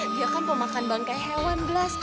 dia kan pemakan bangkai hewan blas